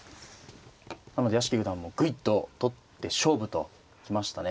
なので屋敷九段もグイッと取って勝負と行きましたね。